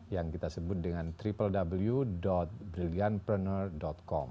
yang kita sebut dengan www brilliantpreneur com